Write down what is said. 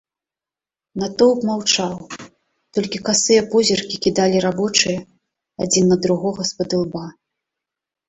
Натоўп маўчаў, толькі касыя позіркі кідалі рабочыя адзін на другога спадылба.